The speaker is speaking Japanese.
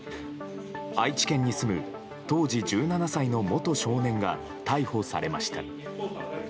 愛知県に住む当時１７歳の元少年が逮捕されました。